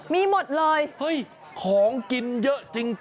มีหมดเลยเฮ้ยของกินเยอะจริง